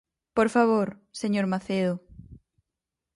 Por favor, señor Macedo.